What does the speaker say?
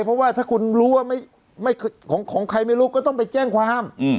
เพราะว่าถ้าคุณรู้ว่าของใครไม่รู้ก็ต้องไปแจ้งความ